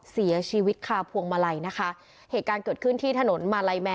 เสียชีวิตคาพวงมาลัยนะคะเหตุการณ์เกิดขึ้นที่ถนนมาลัยแมร์